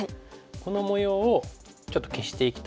この模様をちょっと消していきたい。